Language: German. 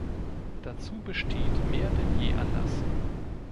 Dazu besteht mehr denn je Anlass.